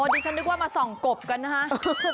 ดิฉันนึกว่ามาส่องกบกันนะฮะ